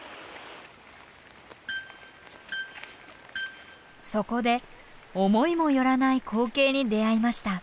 そこで思いも寄らない光景に出会いました。